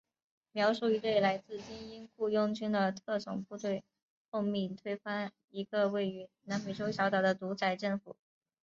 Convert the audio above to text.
描述一队来自精英雇佣军的特种部队奉命推翻一个位于南美洲小岛的独裁政府。